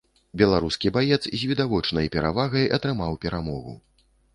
Беларускі баец з відавочнай перавагай атрымаў перамогу.